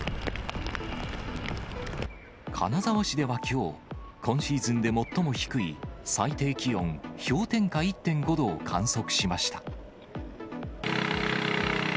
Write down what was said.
金沢市ではきょう、今シーズンで最も低い最低気温氷点下１．５度を観測しました。